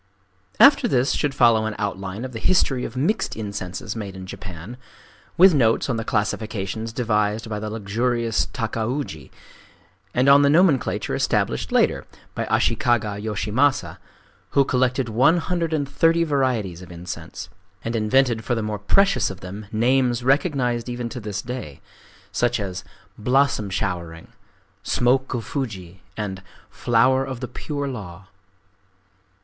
After this should follow an outline of the history of mixed incenses made in Japan,—with notes on the classifications devised by the luxurious Takauji, and on the nomenclature established later by Ashikaga Yoshimasa, who collected one hundred and thirty varieties of incense, and invented for the more precious of them names recognized even to this day,—such as "Blossom Showering," "Smoke of Fuji," and "Flower of the Pure Law."